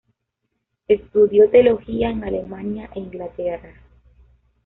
Estudió teología en Alemania e Inglaterra.